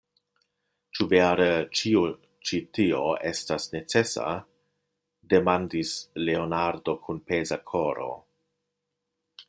Ĉu vere ĉio ĉi tio estas necesa? demandis Leonardo kun peza koro.